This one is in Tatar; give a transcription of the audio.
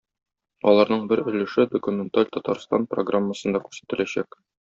Аларның бер өлеше "Документаль Татарстан" программасында күрсәтеләчәк.